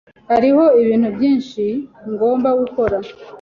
Hariho ibintu byinshi ngomba gukora.